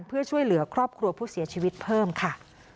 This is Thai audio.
เพื่อช่วยเหลือครอบครัวผู้เสียชีวิตเพิ่มค่ะ